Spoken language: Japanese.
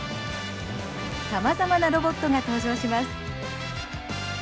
さまざまなロボットが登場します。